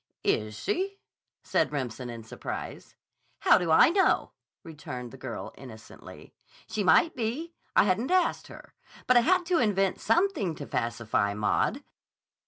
"Is she?" said Remsen in surprise. "How do I know?" returned the girl innocently. "She might be. I hadn't asked her. But I had to invent something to pacify Maud."